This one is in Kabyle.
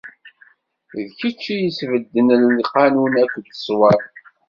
D kečč i yesbedden lqanun akked ṣṣwab.